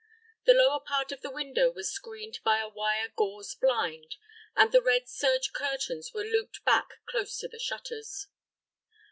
The lower part of the window was screened by a wire gauze blind, and the red serge curtains were looped back close to the shutters.